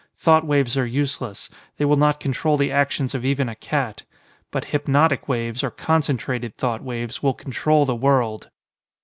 Thought waves are useless; they will not control the actions of even a cat. But hypnotic waves or concentrated thought waves will control the world."